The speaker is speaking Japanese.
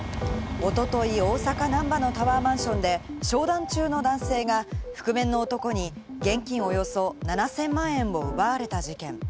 おととい、大阪・難波のタワーマンションで商談中の男性が覆面の男に現金およそ７０００万円を奪われた事件。